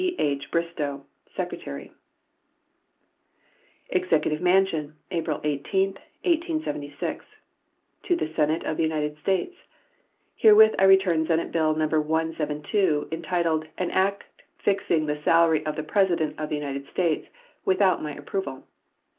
H. BRISTOW, Secretary. EXECUTIVE MANSION, April 18, 1876. To the Senate of the United States: Herewith I return Senate bill No. 172, entitled "An act fixing the salary of the President of the United States," without my approval.